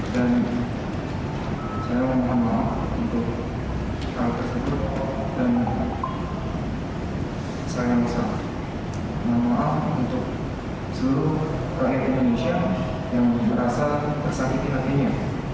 dan saya meminta maaf untuk hal tersebut dan saya meminta maaf untuk seluruh rakyat indonesia yang berasa tersakit hatinya